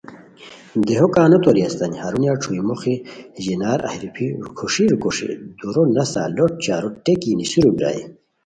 دیہو کا نو توری استانی ہرونیہ چھوئی موخی ژینار اہی روپھی روکھوݰی روکھوݰی دُورو نسہ لوٹ چارو ٹیکی نیسرو بیرائے